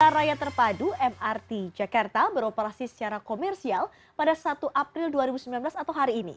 raya terpadu mrt jakarta beroperasi secara komersial pada satu april dua ribu sembilan belas atau hari ini